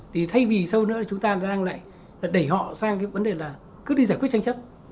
thì thay vì sâu nữa là chúng ta đang lại đẩy họ sang cái vấn đề là cứ đi giải quyết tranh chấp